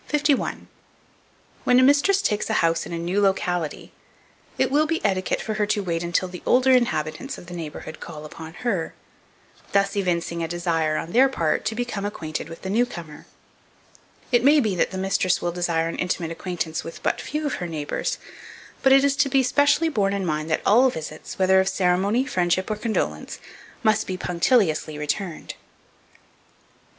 WHEN A MISTRESS TAKES A HOUSE in a new locality, it will be etiquette for her to wait until the older inhabitants of the neighbourhood call upon her; thus evincing a desire, on their part, to become acquainted with the new comer. It may be, that the mistress will desire an intimate acquaintance with but few of her neighbours; but it is to be specially borne in mind that all visits, whether of ceremony, friendship, or condolence, should be punctiliously returned. 52.